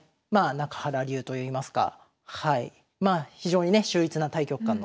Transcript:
中原流といいますかまあ非常にね秀逸な大局観の一着が出るんですね。